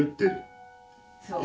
そう。